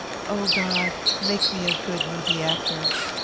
"Oh, God, make me a good movie actor!